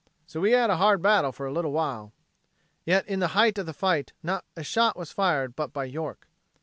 So we had a hard battle for a little while." Yet, in the height of the fight, not a shot was fired but by York.